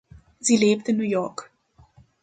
Sie lebt in New York.